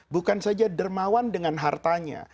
bukan saja dermawan dengan hartanya